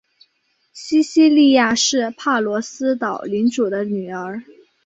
西西莉亚是帕罗斯岛领主的女儿。